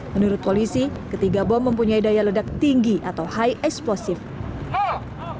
menurut polisi ketiga bom mempunyai daya ledak tinggi atau high explosive